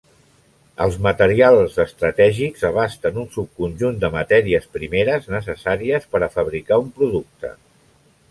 Els materials estratègics abasten un subconjunt de matèries primeres necessàries per a fabricar un producte.